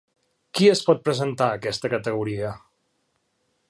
Qui es pot presentar a aquesta categoria?